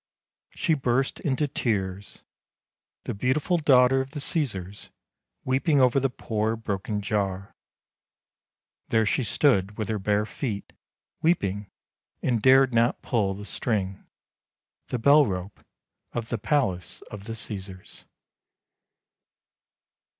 She burst into tears. The beautiful daughter of the Caesars, weeping over the poor broken jar. There she stood with her bare feet, weeping, and dared not pull the string — the bell rope of the palace of the Caesars."